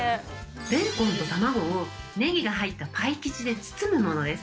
ベーコンと卵を、ネギが入ったパイ生地で包むものです。